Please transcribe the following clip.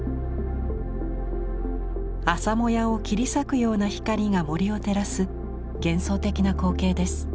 朝もやを切り裂くような光が森を照らす幻想的な光景です。